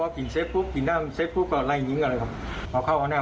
ก็นิ่งผมก่อนแล้วก็ดีความดีก็คอยทับผม